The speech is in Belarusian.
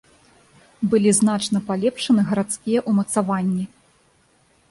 Былі значна палепшаны гарадскія ўмацаванні.